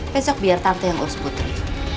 besok biar tante yang os putri